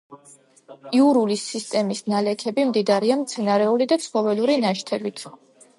იურული სისტემის ნალექები მდიდარია მცენარეული და ცხოველური ნაშთებით.